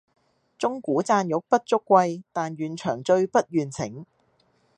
鐘鼓饌玉不足貴，但願長醉不願醒